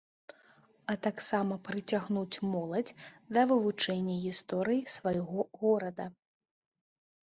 А таксама прыцягнуць моладзь да вывучэння гісторыі свайго горада.